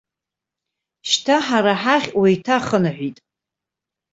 Шьҭа ҳара ҳахь уеиҭахынҳәит.